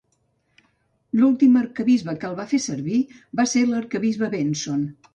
L'últim arquebisbe que el va fer servir va ser l'arquebisbe Benson.